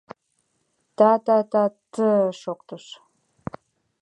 Та, Та, Та, Т-Т-Т...» — шоктыш.